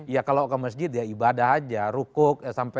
ya kalau ke masjid ya ibadah aja rukuk sampai